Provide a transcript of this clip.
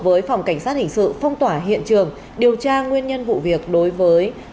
với phòng cảnh sát hình sự phong tỏa hiện trường điều tra nguyên nhân vụ việc đối với